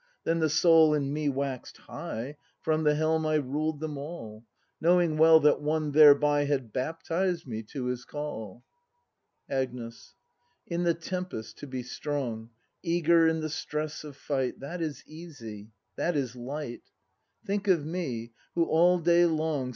Then the soul in me wax'd high; From the helm I ruled them all. Knowing well that One thereby Had baptized me to His call! Agnes. In the tempest to be strong, Eager in the stress of fight. That is easy, that is light; Think of me, who, all day long.